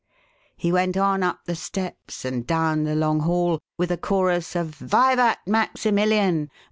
He went on up the steps and down the long hall with a chorus of "Vivat Maximilian!